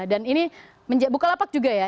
dan ini bukalapak juga ya